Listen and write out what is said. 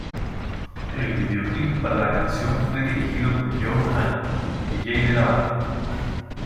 El videoclip para la canción fue dirigido por Joe Hahn, dj de la banda.